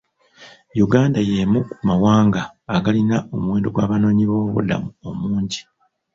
Uganda y'emu ku mawanga agalina omuwendo gw'Abanoonyiboobubudamu omungi.